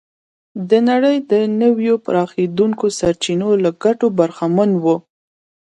د نړۍ د نویو پراخېدونکو سرچینو له ګټو برخمن و.